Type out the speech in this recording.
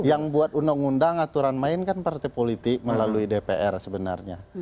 yang buat undang undang aturan main kan partai politik melalui dpr sebenarnya